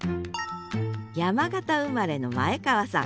山形生まれの前川さん。